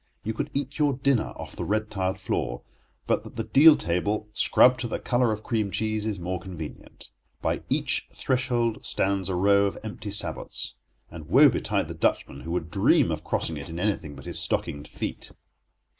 You could eat your dinner off the red tiled floor, but that the deal table, scrubbed to the colour of cream cheese, is more convenient. By each threshold stands a row of empty sabots, and woe betide the Dutchman who would dream of crossing it in anything but his stockinged feet.